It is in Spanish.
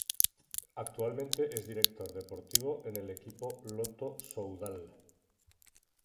Actualmente es director deportivo en el equipo Lotto Soudal.